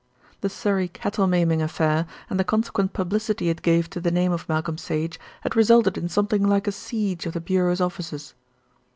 The Surrey cattle maiming affair, and the consequent publicity it gave to the name of Malcolm Sage, had resulted in something like a siege of the Bureau's offices.